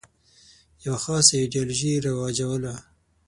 یوه خاصه ایدیالوژي رواجوله.